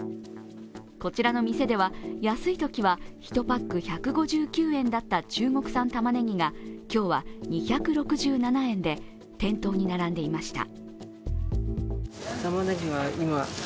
こちらの店では安いときは１パック１５９円だった中国産たまねぎが今日は２６７円で店頭に並んでいました。